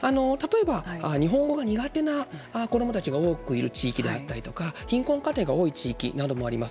例えば日本語が苦手な子どもたちが多くいる地域であったりとか貧困家庭が多い地域などもあります。